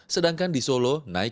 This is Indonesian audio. sedangkan di solo naik